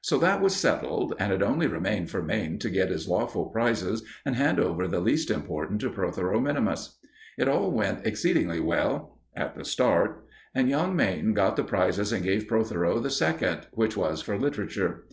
So that was settled, and it only remained for Mayne to get his lawful prizes and hand over the least important to Protheroe min. It all went exceedingly well at the start and young Mayne got the prizes and gave Protheroe the second, which was for literature.